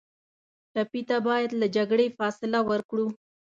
ټپي ته باید له جګړې فاصله ورکړو.